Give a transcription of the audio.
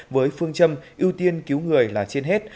với phương châm ưu tiên cứu người là trên hết